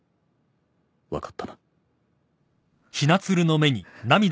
分かったな？